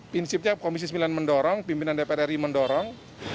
prinsipnya komisi sembilan mendorong pimpinan dpr ri mendorong